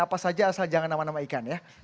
apa saja asal jangan nama nama ikan ya